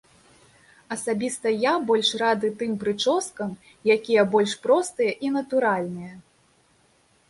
Асабіста я больш рады тым прычоскам, якія больш простыя і натуральныя.